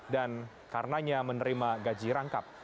dan karenanya menerima gaji rangkap